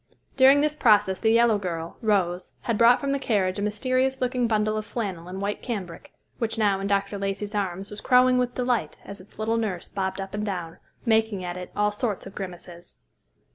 During this process the yellow girl, Rose, had brought from the carriage a mysterious looking bundle of flannel and white cambric, which now in Dr. Lacey's arms was crowing with delight as its little nurse bobbed up and down, making at it all sorts of grimaces.